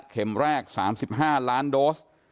เข็มแรก๓๕ล้านโดส